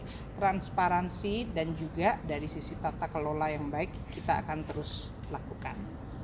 untuk transparansi dan juga dari sisi tata kelola yang baik kita akan terus lakukan